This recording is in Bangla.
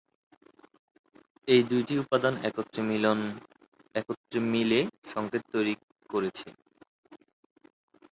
এই দুইটি উপাদান একত্রে মিলে সংকেত তৈরি করেছে।